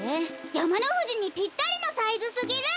やまのふじにぴったりのサイズすぎる！